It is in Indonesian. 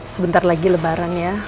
sebentar lagi lebaran ya